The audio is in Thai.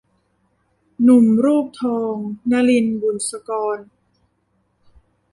หนุ่มรูปทอง - นลิน บุษกร